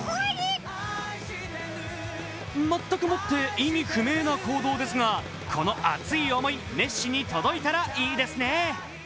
まったくもって意味不明な行動ですがこの熱い思い、メッシに届いたらいいですね。